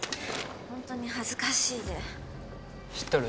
ホントに恥ずかしいで知っとる？